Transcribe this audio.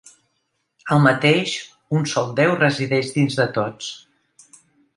El mateix "Un sol Déu resideix dins de tots".